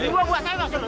dua buah saya bawa dulu